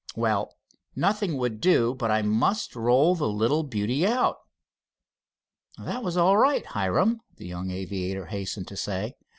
Well, nothing would do but I must roll the little beauty out." "That was all right, Hiram," the young aviator hastened to say.